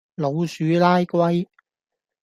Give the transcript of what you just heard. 老鼠拉龜